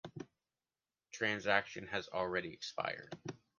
Transaction has already expired.